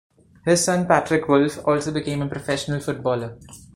His son Patrick Wolf also became a professional footballer.